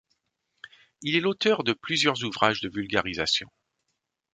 Il est l'auteur de plusieurs ouvrages de vulgarisation.